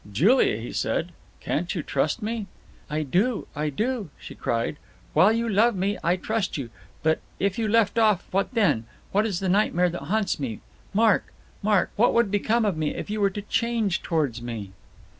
"Julia," he said, "can't you trust me?" "I do, I do," she cried. "While you love me, I trust you. But if you left off, what then? That is the nightmare that haunts me. Mark, Mark, what would become of me if you were to change towards me?"